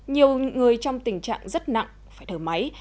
nhiều người trong tình trạng rất nặng phải thở máy